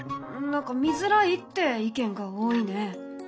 何か見づらいって意見が多いね。